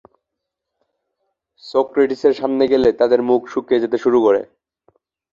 সক্রেটিসের সামনে গেলে তাদের মুখ শুকিয়ে যেতে শুরু করে।